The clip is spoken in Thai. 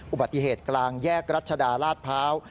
อุบัติเหตุกลางแยกรัชดาลาดพร้าว